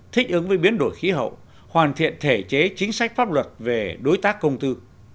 thích ứng với biến đổi khí hậu hoàn thiện thể chế chính sách pháp luật về đối tác công tư